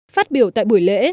phát biểu tại buổi lễ